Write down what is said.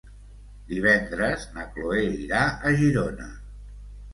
Divendres na Chloé irà a Girona.